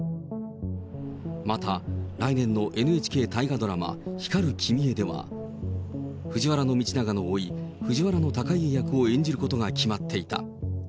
また、来年のＮＨＫ大河ドラマ、光る君へでは、藤原道長のおい、藤原隆家役を演じることが決まっていた。